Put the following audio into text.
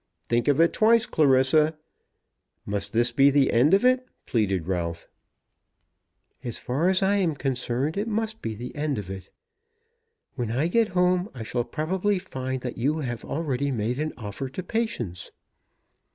"Think of it twice, Clarissa; must this be the end of it?" pleaded Ralph. "As far as I am concerned it must be the end of it. When I get home I shall probably find that you have already made an offer to Patience."